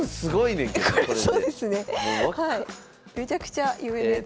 めちゃくちゃ有名なやつ。